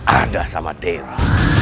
ada sama dera